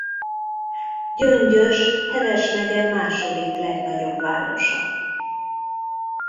Gyöngyös Heves megye második legnagyobb városa.